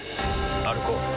歩こう。